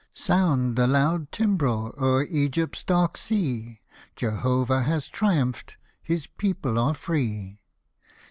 Sound the loud Timbrel o'er Egypt's dark sea ! Jehovah has triumphed — his people are free.